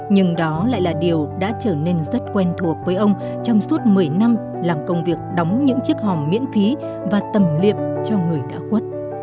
nhưng đó lại là điều đã trở nên rất quen thuộc với ông trong suốt một mươi năm làm công việc đóng những chiếc hòm miễn phí và tầm liệm cho người đã khuất